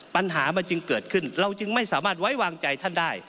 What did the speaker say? ปัญหามันจึงเกิดขึ้นเราจึงไม่สามารถไว้วางใจท่านได้